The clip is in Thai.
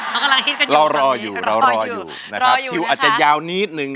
เรากำลังฮิตกันอยู่เรารออยู่เรารออยู่นะครับคิวอาจจะยาวนิดนึง